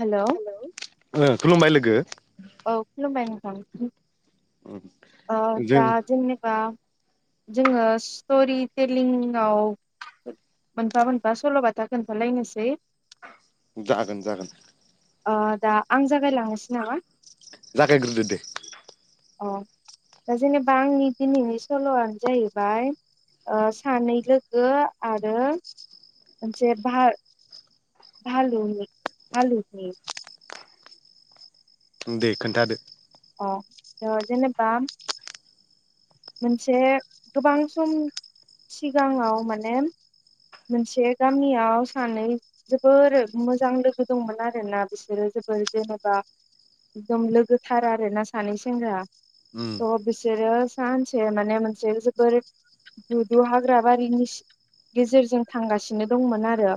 Hello ओ खुलुमबाय लोगो। औ खुलुमबाय नोंथां ओ जों दा जेनेबा जोङो स्ट'रि टेलिङाव मोनफा मोनफा सल'बाथा खोनथालायनोसै। जागोन जागोन। ओ दा आं जागायलांनोसै नामा? जागाय ग्रोदो दे। अह। दा जेनेबा आंनि दिनैनि सल'आनो जाहैबाय सानै लोगो आरो मोनसे भार भालुनि भालुनि। दे खोन्थादो। अह। ओ जेनेबा मोनसे गोबां सम सिगाङाव माने मोनसे गामियाव सानै जोबोर मोजां लोगो दंमोन आरोना बिसोरो जो जोबोर जेनेबा एकदम लोगोथार आरोना सानै सेंग्रा। उम थ बिसोरो सानसे माने मोनसे जोबोर गुदु हाग्रा बारिनि सि गेजेरजों थांगासिनो दंमोन आरो।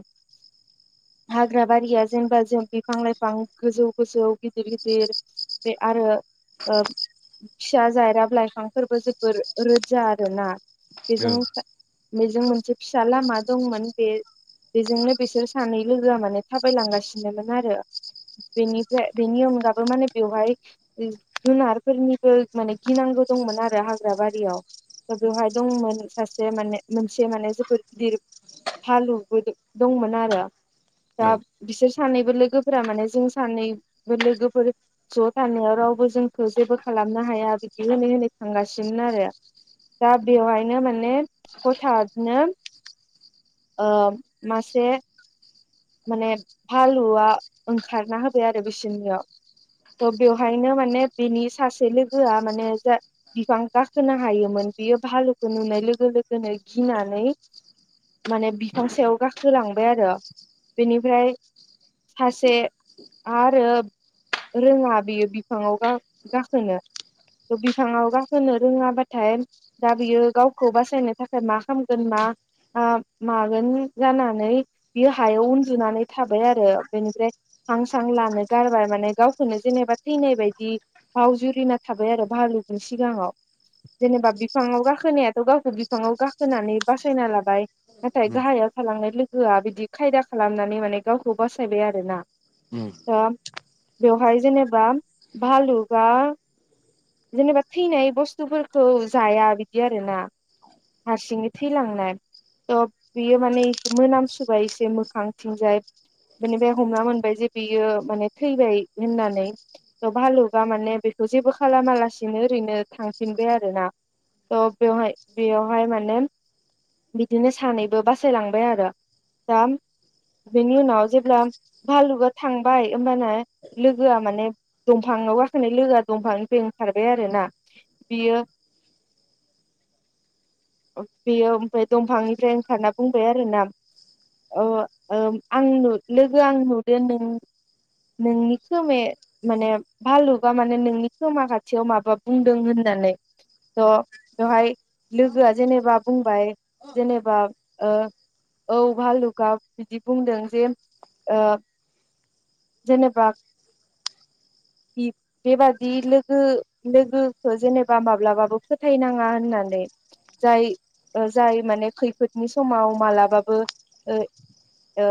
हाग्रा बारिया जेनबा जों बिफां लाइफां गोजौ गोजौ गिदिर गिदिर। बे आरो ओ फिसा जायराब लाइफांफोरबो जोबोर रोदजा आरोना ओं बेजों बेजों मोनसे फिसा लामा दंमोन बे बेजोंनो बिसोर सानै लोगोआ माने थाबायलांगासिनोमोन आरो बेनिफ्राय बेनि अनगाबो माने बेवहाय जुनारफोरनिबो माने गिनांग गौ दंमोन आरो हाग्रा बारिआव थ' बेवहाय दंमोन सासे माने मोनसे माने गिदिर हालुबो दंमोन आरो । दा ओं बिसोर सानैबो लोगोफोरा माने जों सानैबो लोगोफोर ज' थानायाव राव बो जोंखौ जेबो खालामनो हाया बिदि होनै होनै थांगासिनो आरो दा बेवहायनो माने हथाथनो ओ मासे माने भालुआ ओंखारना होबाय आरो बिसोरनियाव थ' बेवहायनो माने बिनि सासे लोगोआ माने जा बिफां गाखोनो हायोमोन बियो भालुखौ नुनाय लोगो लोगोनो गिनानै माने बिफां सायाव गाखोलांबाय आरो बेनिफ्राय सासे आरो रोङा बेयो बिफाङाव गाखोनो बिफाङाव गाखोनो रोङाबाथाय दा बियो गावखौ बासायनो थाखाय मा खालामगोन मा मागोन जानानै बियो हायाव उन्दुनानै थाबाय आरो बेनिफ्राय हां सां लानो गारबाय माने गावखौनो जेनेबा थै नाय बायदि बावजुरिना थाबाय आरो भालुगनि सिगाङाव जेनेबा बिफाङाव गाखोनायाथ' गावखौ बिफाङाव गाखोनानै बासायना लाबाय नाथाय उम गाहायाव थालांनाय लोगोआ बिदि खायदा खालामनानै माने गावखौ बासायबाय आरोना दा बेवहाय जेनेबा भालुकआ जेनेबा थैनाय बुस्थुफोरखौ जाया बिदि आरोना हारसिं थै लांनाय थ बियो माने मोनाम सुबाय एसे मोखांथिंजाय बिनिफ्राय हमना मोनबाय जे बियो माने थैबाय होननानै थ भालुका माने बेखौ जेबो खालामालासिनो ओरैनो थांफिनबाय आरोना त बेवहाय बेवहाय माने बिदिनो सानैबो बासायलांबाय आरो दा बेनि उनाव जेब्ला भालुगआ थांबाय होमबाना लोगोआ माने दंफां आव गाखोननाय लोगो दंफांनिफ्राय ओंखारबाय आरोना बियो बेयो ओमफ्राय दंफांनिफ्राय ओंखारना बुंबाय आरोना अ ओ आं नु लोगो आं नुदो नों नोंनि खोमाया माने भालुबा माने नोंनि खोमा खाथियाव माबा बुंदों होननानै थ' बेवहाय लोगोआ जेनेबा बुंबाय जेनेबा ओ औ भालुका बिदि बुंदों जे ओ जेनबा बिब बेबा दि लोगो-लोगोखो जेनेबा माब्लाबाबो फोथायनाङा होननानै जाय ओ जाय माने खैफोदनि समाव मालाबाबो ओ ओ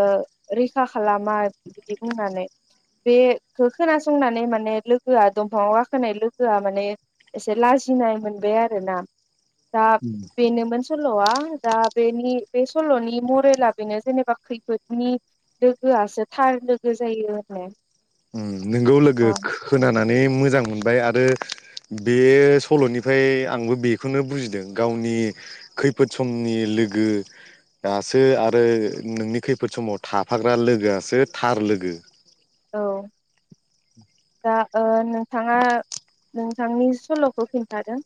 रैखा खालामा बिदि बुंनानै बेखौ खोनासंनानै माने लोगोआ दंफाङाव गाखोनाय लोगोआ माने एसे लाजिनाय मोनबाय आरो ना दा उम बेनोमोन सल'आ दा बेनि बे सल'नि मरेला बेनो जेनेबा खैफोदनि लोगोआसो थार लोगो जायो आरो उम नोंगौ लोगो खोनानानै मोजां मोनबाय आरो बेयो सल'निफ्राय आंबो बेखौनो बुजिदों गावनि खैफोद समनि लोगो दासो आरो नोंनि खैफोद समाव थाफाग्रा लोगोआसो थार लोगो औ दा ओ नोंथाङा नोंथांनि सल'खौ खिन्थादो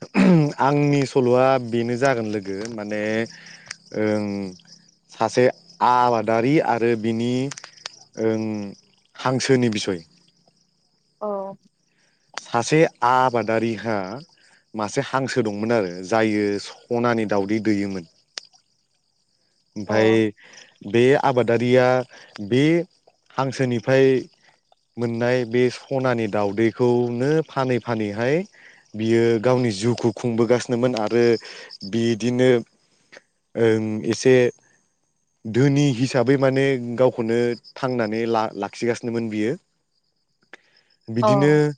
[unintelligible] आंनि सल'आ बेनो जागोन लोगो माने ओं सासे आबादारि आरो बिनि ओं हांसोनि बिसय औ सासे आबादारिहा मासे हांसो दंमोन आरो जायो सनानि दाउदै दैयोमोन अ ओमफाय बे आबादारिया बे हांसोनिफ्राय मोननाय बे सनानि दाउदैखौनो फानै फानैहाय बियो गावनि जिउखौ खुंबोगासिनोमोन आरो बिदिनो ओं एसे [inaudible] धोनि हिसाबै माने गावखौनो थांनानै ला लाखिगासिनोमोन बियो । [inaudible] बिदिनो अ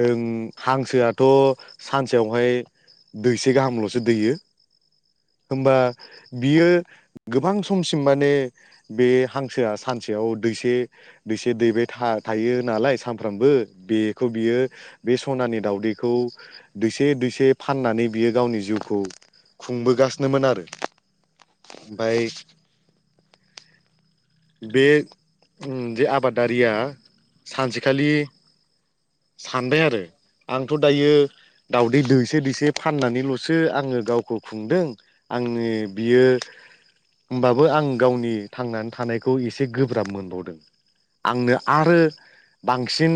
ओं हांसोआथ सानसेयावहाय दैसे गाहामलसो दैयो होमबा बियो गोबां समसिम माने बे हांसोआ सानसेयाव दैसे दैसे दैबाय था थायो नालाय सानफ्रामबो बेखौ बियो बे सनानि दाउदैखौ दैसे दैसे फाननानै बियो गावनि जिउखौ खुंबोगासिनोमोन आरो । ओमफाय बे उम जे आबादारिया सानसेखालि सानबाय आरो आंथ दायो दउदै दैसे दैसे फाननानैलसो आङो गावखौ खुंदों आंनि बियो होमबाबो आं गावनि थांनानै थानायखौ एसे गोब्राब मोनबावदों आंनो आरो बांसिन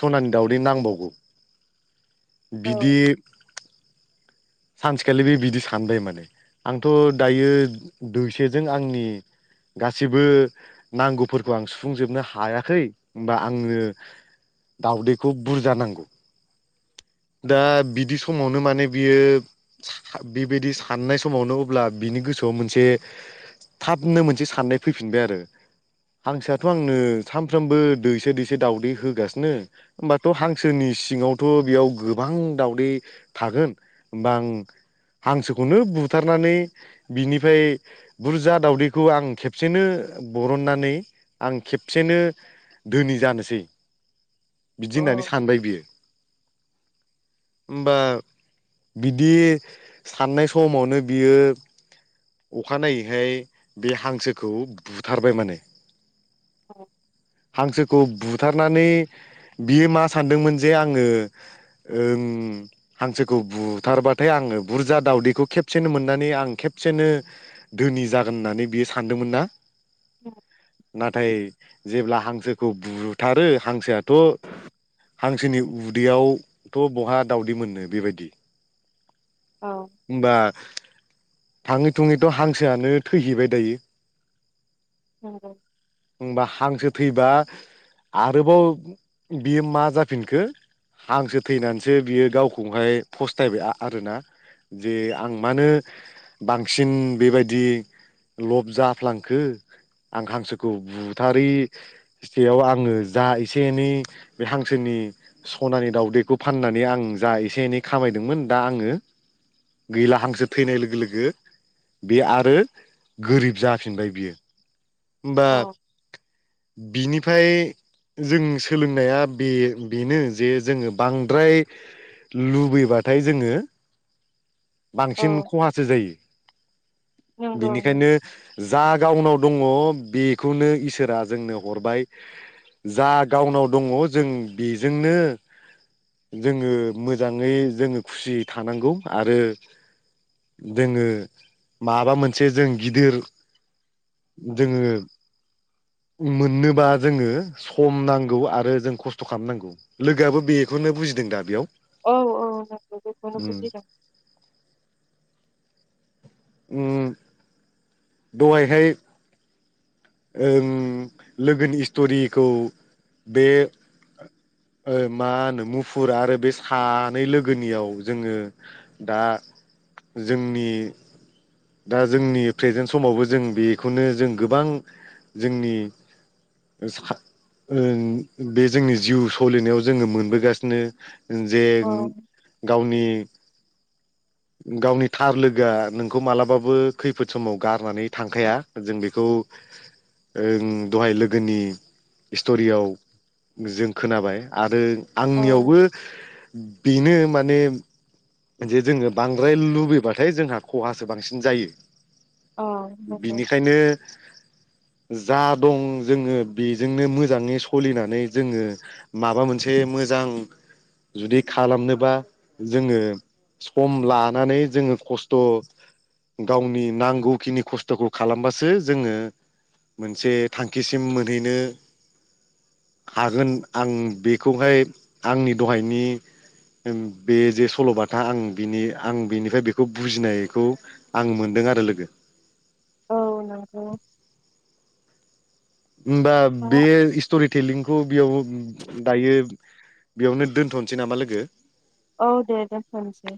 सनानि दावदै नांबावगौ बिदि सानसेखालि बे बिदि सानबाय माने आंथ' दायो दोसेजों आंनि गासैबो नांगौफोरखौ आं सुफुंजोबनो हायाखै होमबा आंनो दाउदैखौ बुरजा नांगौ दा बिदि समावनो माने बियो बेबायदि साननाय समावनो अब्ला बिनि गोसोआव मोनसे थाबनो मोनसे साननाय फैफिनबाय आरो हांसोआथ आंनो सानफ्रोमबो दैसे दैसे दावदै होगासिनो होमबाथ हांसोनि सिङावथ बेयाव गोबां दावदै थागोन होमबा आं हांसोखौनो बुथारनानै बिनिफ्राय बुरजा दावदैखौ आं खेबसेनो बरननानै आं खेबसेनो धोनि जानोसै [inaudible] बिदि होननानै औ सानबाय बियो होमबा बिदि साननाय समावनो बियो अखानायैहाय बे हांसोखौ बुथारबाय माने औ हांसो खौ बुथारनानै बियो मा सानदोंमोन जे आङो ओम हांसोखौ बु बुथारबाथाय आङो बुरजा दाावदैखौ खेबसेनो मोननानै आं खेबसेनो धोनि जागोन होननानै बियो सानदोंमोन ना [unintelligible] नाथाय जेब्ला हांसोखौ बुथारो हांसोआथ' हांसोनि उदैयावथ' बहा दावदै मोनो बेबायदि ओमबा थाङै थुङैथ' हांसोआनो थैहैबाय दायो । नंगौ होमबा हांसो थैबा आरोबाव बियो मा जाफिनखो हांसो थैनानैसो बियो गावखौहाय फस थायबाय आरोना जे आं मानो बांसिन बेबायदि लब जाफ्लांखो आं हांसोखौ बुथारैसेयाव आङो जा एसे एनै बे हांसोनि सनानि दावदैखौ फाननानै आं जा एसे एनै खामायदोंमोन दा आङो गैला हांसो थैनाय लोगो लोगो बे आरो गोरिब जाफिनबाय बियो होमबा औ बिनिफ्राय जों सोलोंनाया बे बेनो जे जोङो बांद्राय लुबै योबाथाय जोङो। बांसिन औ खहासो जायो नंगौ बिनिखायनो जा गावनाव दङ बेखौनो इसोरा जोंनो हरबाय। जा गावनाव दङ जों बेजोंनो जोङो मोजाङै जोङो खुसियै थानांगौ आरो जोङो माबा मोनसे जों गिदिर जोङो मोननोबा जोङो सम नांगौ आरो जों खस्थ' खालामनांगौ लोगोआबो बे बेखौनो बुजिदों दा बेयाव औ उम [unintelligible] उम दहायहाय ओं लोगोनि स्ट'रिखौ बे [inaudible] ओ मा होनो मुफुर आरो बे सानै लोगोनियाव जोङो दा जोंनि दा जोंनि प्रेजेन्ट समावबो जों बेखौनो जों गोबां जोंनि ओं बे जोंनि जिउ सोलिनायाव जोङो मोनबोगासिनो जे औ गावनि [inaudible] गावनि थार लोगोआ नोंखौ मालाबाबो खैफोद समाव गारनानै थांखाया जों बेखौ ओं दहाय लोगोनि स्ट'रियाव जों खोनाबाय आरो औ आंनियावबो बेनो माने जे जोङो बांद्राय लुबैबाथाय जोंहा खहासो बांसिन जायो। औ नंगौ बिनिखायनो [inaudible] जा दं जोङो बेजोंनो मोजाङै सलिनानै जोङो माबा मोनसे मो जां जुदि खालामनोबा जोङो सम लानानै जोङो खस्थ' गावनि नांगौखिनि खस्थ'खौ खालामबासो जोङो‌। मोनसे थांखिसिम मोनहैनो हागोन आं बेखौहाय आंनि दहायनि बे जे सल'बाथा आं बिनि आं बिनिफ्राय बेखौ बुजिनायखौ आं मोन दों आरो लोगो। औ नंगौ। ओमबा बे दा- इसट'रि थेलिंखौ बेयाव दायो बेयावनो दोनथ'नोसै नामा लोगो? औ दे दोनथनिसै